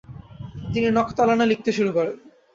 তিনি নকাতালানে লিখতে শুরু করেন।